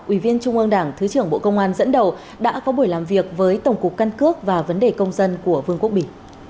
ủy viên trung ương đảng thứ trưởng bộ công an dẫn đầu đã có buổi làm việc với tổng cục căn cước và vấn đề công dân của vương quốc bỉ